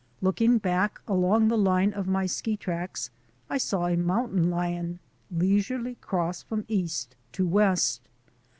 Looking back along the line of my ski tracks, I saw a mountain lion leisurely cross from east to west.